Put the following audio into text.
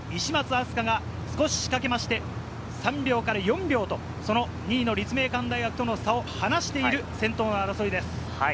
愛朱加が少し仕掛けまして、３秒から４秒と、その２位の立命館大学との差を離している先頭の争いです。